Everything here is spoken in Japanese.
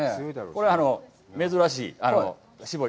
これ、珍しい搾り。